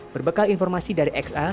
berbekal informasi dari xa